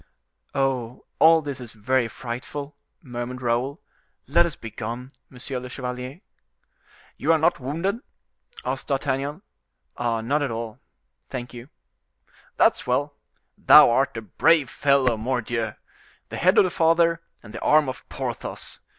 "Oh! all this is very frightful!" murmured Raoul: "let us begone, monsieur le chevalier." "You are not wounded?" asked D'Artagnan. "Not at all; thank you." "That's well! Thou art a brave fellow, mordioux! The head of the father, and the arm of Porthos.